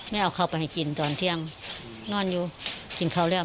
เอาเข้าไปให้กินตอนเที่ยงนอนอยู่กินข้าวแล้ว